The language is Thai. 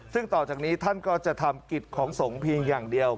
ซึ่งต่อจากนี้ท่านก็จะทำกิจของสงฆ์เพียงอย่างเดียว